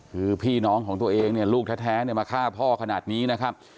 คือพี่น้องของตัวเองเนี่ยลูกแท้มาฆ่าพ่อขนาดนี้นะครับ